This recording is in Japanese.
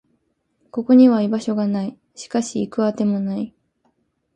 ここには居場所がない。しかし、行く当てもない。